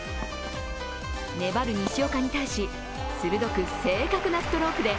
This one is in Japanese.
粘る西岡に対し鋭く正確なストロークで